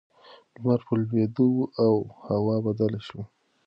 لمر په لوېدو و او هوا بدله شوه.